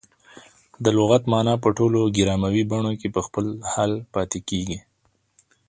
د لغت مانا په ټولو ګرامري بڼو کښي په خپل حال پاته کیږي.